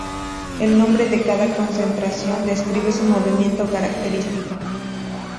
El nombre de cada concentración describe su movimiento característico.